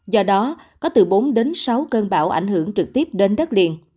do đó có từ bốn đến sáu cơn bão ảnh hưởng trực tiếp đến đất liền